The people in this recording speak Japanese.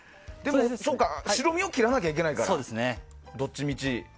白身を切らなきゃいけないからどっちみち。